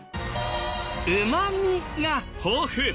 うま味が豊富。